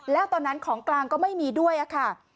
แล้วตอนนั้นของกลางก็ไม่มีด้วยค่ะ